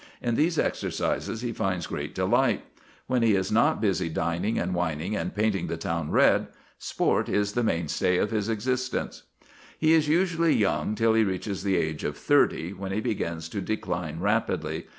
In these exercises he finds great delight. When he is not busy dining and wining and painting the town red, sport is the mainstay of his existence. He is usually young till he reaches the age of thirty, when he begins to decline rapidly.